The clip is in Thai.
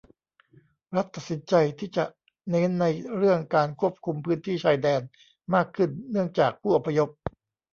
รัฐตัดสินใจที่จะเน้นในเรื่องการควบคุมพื้นที่ชายแดนมากขึ้นเนื่องจากผู้อพยพ